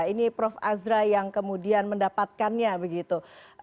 ini prof azra yang kemudian mendapatkannya begitu